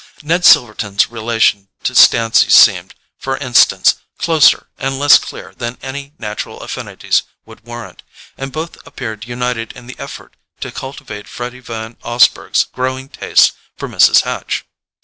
Ned Silverton's relation to Stancy seemed, for instance, closer and less clear than any natural affinities would warrant; and both appeared united in the effort to cultivate Freddy Van Osburgh's growing taste for Mrs. Hatch.